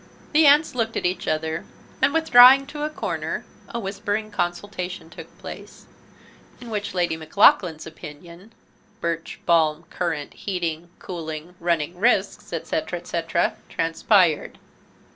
The aunts looked at each other; and, withdrawing to a corner, a whispering consultation took place, in which Lady Maclaughlan's opinion, "birch, balm, currant, heating, cooling, running risks," etc. etc., transpired.